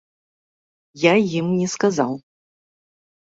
Я ім не сказаў.